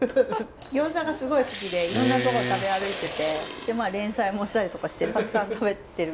餃子がすごい好きでいろんな所食べ歩いててまあ連載もしたりとかしてたくさん食べてるんで。